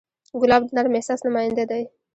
ګلاب د نرم احساس نماینده دی.